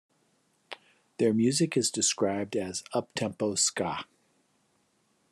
Their music is described as up-tempo ska.